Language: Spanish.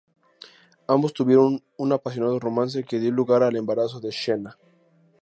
Ambos tuvieron un apasionado romance que dio lugar al embarazo de Xena.